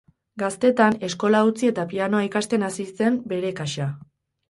Gaztetan, eskola utzi eta pianoa ikasten hasi zen bere kasa.